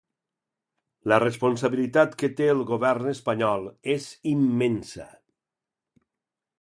La responsabilitat que té el govern espanyol és immensa.